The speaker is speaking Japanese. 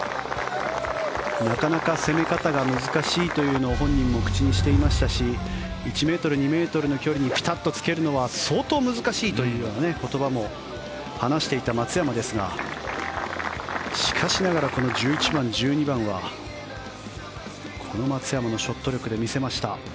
なかなか攻め方が難しいというのを本人も口にしていましたし１ｍ、２ｍの距離にピタっとつけるのは相当難しいという言葉も話していた松山ですがしかしながらこの１１番、１２番はこの松山のショット力で見せました。